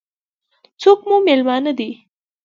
څوک مو مېلمانه دي؟